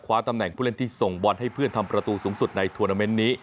ตำแหน่งผู้เล่นที่ส่งบอลให้เพื่อนทำประตูสูงสุดในทวนาเมนต์นี้